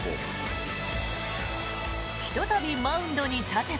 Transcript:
ひとたびマウンドに立てば。